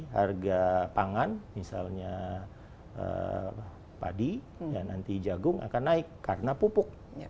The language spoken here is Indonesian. harga pangan misalnya padi nanti jagung akan naik karena pupuk